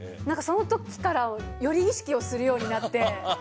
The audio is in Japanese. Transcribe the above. なんかそのときから、より意識をするようになって。